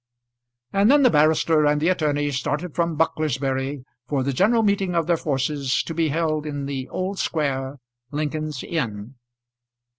And then the barrister and the attorney started from Bucklersbury for the general meeting of their forces to be held in the Old Square, Lincoln's Inn.